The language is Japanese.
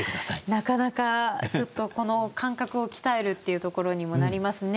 なかなかちょっと感覚を鍛えるっていうところにもなりますね。